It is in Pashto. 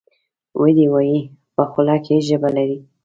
ودي وایي ! په خوله کې ژبه لري .